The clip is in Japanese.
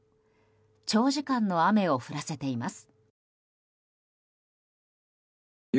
長時間の雨を降らせています。